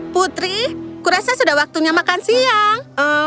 putri kurasa sudah waktunya makan siang